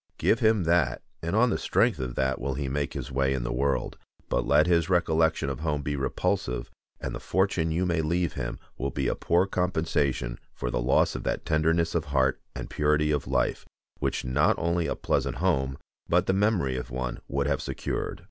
Give him that, and on the strength of that will he make his way in the world; but let his recollection of home be repulsive, and the fortune you may leave him will be a poor compensation for the loss of that tenderness of heart and purity of life, which not only a pleasant home, but the memory of one would have secured.